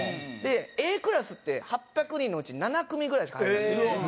Ａクラスって８００人のうち７組ぐらいしか入れないんですよ。